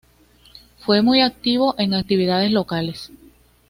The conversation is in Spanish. Fue muy activo en actividades locales.